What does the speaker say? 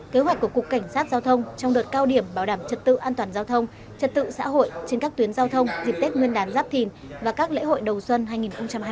kế hoạch của cục cảnh sát giao thông trong đợt cao điểm bảo đảm trật tự an toàn giao thông trật tự xã hội trên các tuyến giao thông dịp tết nguyên đán giáp thìn và các lễ hội đầu xuân hai nghìn hai mươi bốn